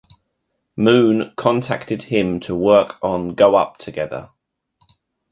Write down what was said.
Moon contacted him to work on "Go Up" together.